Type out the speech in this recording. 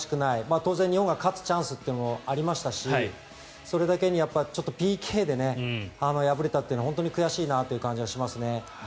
当然、日本が勝つチャンスというのもありましたしそれだけにＰＫで敗れたっていうのは本当に悔しいなという感じがしますね。